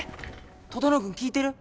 整君聞いてる？